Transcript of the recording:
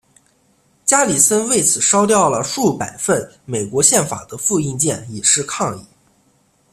加里森为此烧掉了数百份美国宪法的复印件以示抗议。